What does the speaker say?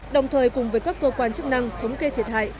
đồng thời cùng với các cơ quan chức năng thống kê thiệt hại